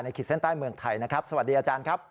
ขีดเส้นใต้เมืองไทยนะครับสวัสดีอาจารย์ครับ